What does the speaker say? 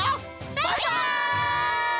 バイバイ！